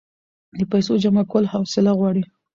د پیسو جمع کول حوصله غواړي.